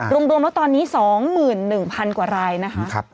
รวมแล้วตอนนี้๒๑๐๐๐กว่ารายนะคะ